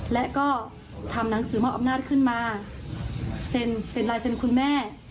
และก็ทำหนังสือมอบอำนาจขึ้นมาเซ็นเป็นลายเซ็นคุณแม่